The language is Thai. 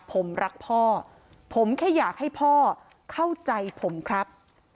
ผมรักพ่อผมแค่อยากให้พ่อเข้าใจผมครับ